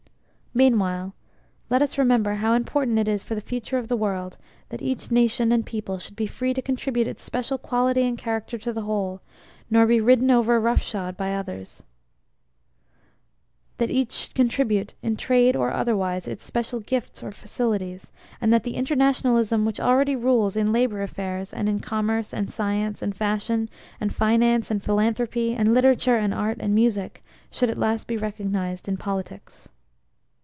Meanwhile let us remember how important it is for the future of the world that each nation and people should be free to contribute its special quality and character to the whole; nor be ridden over roughshod by the others; That each should contribute, in Trade or otherwise, its special gifts or facilities; and that the Internationalism which already rules in labour affairs and in Commerce and Science and Fashion and Finance and Philanthropy and Literature and Art and Music, should at last be recognized in Politics.